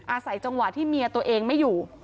อาศัยจังหวะที่เมียตัวเองไม่อยู่